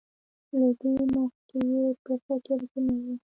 له دې مخکې یې په فکر کې نه وو.